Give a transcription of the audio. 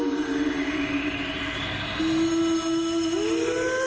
ทีรีย์